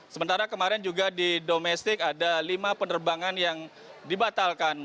sementara kemarin juga di domestik ada lima penerbangan yang dibatalkan